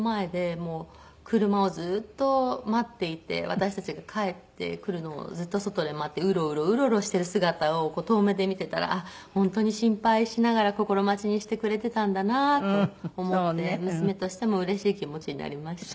私たちが帰ってくるのをずっと外で待ってウロウロウロウロしてる姿を遠目で見てたら本当に心配しながら心待ちにしてくれてたんだなと思って娘としてもうれしい気持ちになりました。